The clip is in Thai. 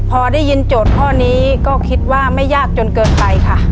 พอได้ยินโจทย์ข้อนี้ก็คิดว่าไม่ยากจนเกินไปค่ะ